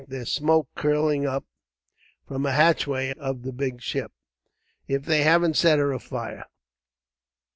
There's smoke curling up from a hatchway of the big ship. If they haven't set her afire!"